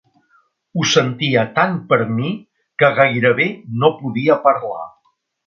Ho sentia tant per mi que gairebé no podia parlar.